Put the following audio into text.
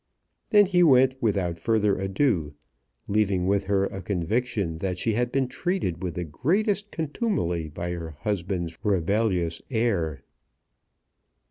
Then he went without further adieu, leaving with her a conviction that she had been treated with the greatest contumely by her husband's rebellious heir.